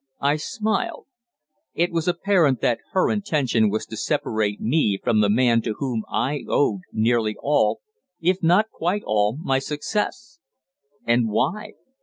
I smiled. It was apparent that her intention was to separate me from the man to whom I owed nearly all, if not quite all, my success. And why?